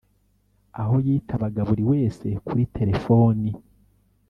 aho yitabaga buri wese kuri telefoni